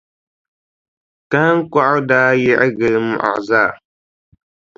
Kahiŋkɔɣu daa yiɣi gili mɔɣu zaa.